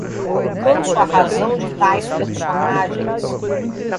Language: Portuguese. Não alcanço a razão de tais personagens.